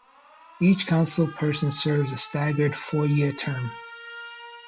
Each council person serves a staggered four-year term.